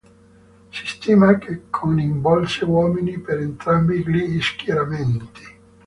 Si stima che coinvolse uomini per entrambi gli schieramenti.